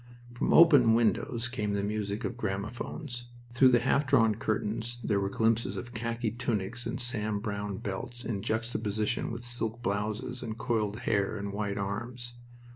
From open windows came the music of gramophones. Through half drawn curtains there were glimpses of khaki tunics and Sam Brown belts in juxtaposition with silk blouses and coiled hair and white arms.